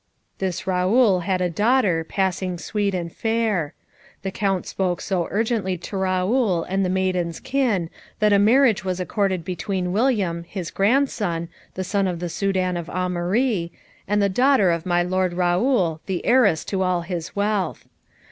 This Raoul had a daughter, passing sweet and fair. The Count spoke so urgently to Raoul and to the maiden's kin that a marriage was accorded between William, his grandson, the son of the Soudan of Aumarie, and the daughter of my lord Raoul, the heiress to all his wealth.